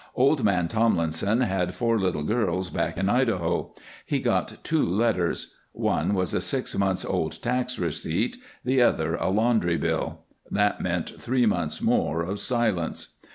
Old man Tomlinson had four little girls back in Idaho. He got two letters. One was a six months old tax receipt, the other a laundry bill. That meant three months more of silence.